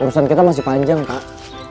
urusan kita masih panjang pak